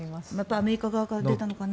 アメリカ側から出たのかなと。